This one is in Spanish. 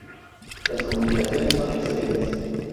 Las comunicaciones son excelentes.